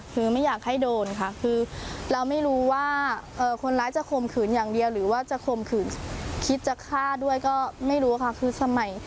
คือไม่อยากให้โดนค่ะคือเราไม่รู้ว่าคนร้ายจะข่มขืนอย่างเดียวหรือว่าจะข่มขืนคิดจะฆ่าด้วยก็ไม่รู้ค่ะคือสมัย